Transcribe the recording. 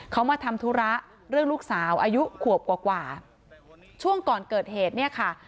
เขามาทำธุระเรื่องลูกสาวอายุขวบกว่ากว่าช่วงก่อนเกิดเหตุเนี่ยค่ะ